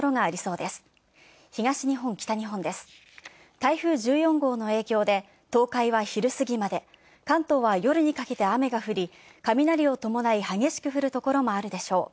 台風１４号の影響で東海は昼過ぎまで、関東は夜にかけて雨が降り、雷を伴い激しく降る所もあるでしょう。